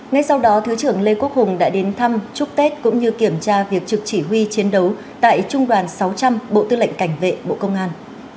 ngay sau đó thứ trưởng lê quốc hùng đã đến thăm chúc tết cũng như kiểm tra việc trực chỉ huy chiến đấu tại trung đoàn sáu trăm linh bộ tư lệnh cảnh vệ bộ công an